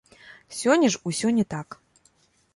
Сёння ж усё не так!